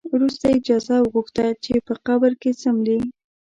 وروسته یې اجازه وغوښته چې په قبر کې څملي.